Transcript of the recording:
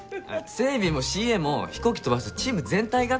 整備もＣＡも飛行機飛ばすチーム全体が。